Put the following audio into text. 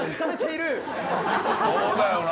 そうだよな。